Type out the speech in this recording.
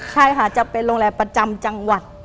ใช่ค่ะจะเป็นโรงแรมประจำจังหวัด